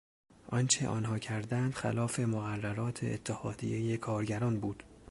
آنچه آنها کردند خلاف مقررات اتحایهی کارگران بود.